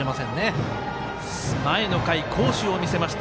前の回、好守を見せました